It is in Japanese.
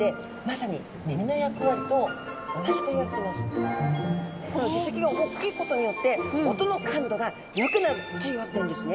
これはこの耳石が大きいことによって音の感度が良くなるというわけなんですね。